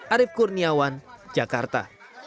arief kurniawan jakarta